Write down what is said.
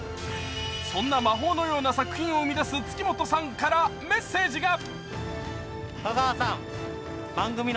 そんな魔法のような作品を生み出す月本さんからメッセージが。